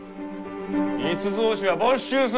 密造酒は没収する。